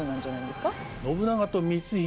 信長と光秀